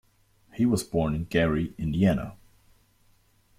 He was born in Gary, Indiana.